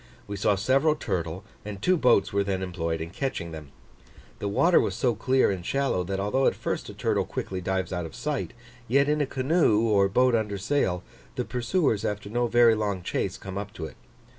We saw several turtle and two boats were then employed in catching them. The water was so clear and shallow, that although at first a turtle quickly dives out of sight, yet in a canoe or boat under sail, the pursuers after no very long chase come up to it.